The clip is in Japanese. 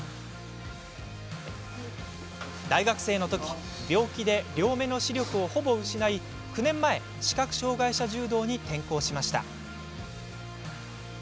大学生のとき病気で両目の視力をほぼ失い９年前、視覚障がい者柔道に転向しました。